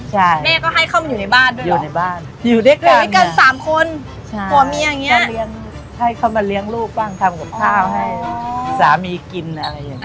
ให้เขามาเลี้ยงลูกบ้างทำกับข้าวให้สามีกินอะไรอย่างนี้